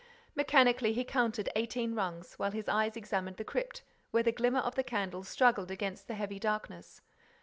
Mechanically, he counted eighteen rungs, while his eyes examined the crypt, where the glimmer of the candle struggled against the heavy darkness.